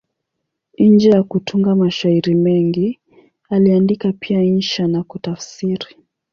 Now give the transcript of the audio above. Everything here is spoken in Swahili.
Nje ya kutunga mashairi mengi, aliandika pia insha na kutafsiri.